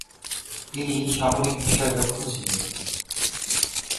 তিনি সামরিক বিষয়ে দক্ষ ছিলেন।